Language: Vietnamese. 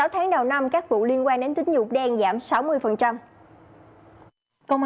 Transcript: sáu tháng đầu năm các vụ liên quan đến tính dụng đen giảm sáu mươi